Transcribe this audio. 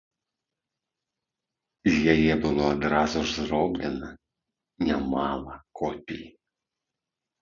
З яе было адразу ж зроблена нямала копій.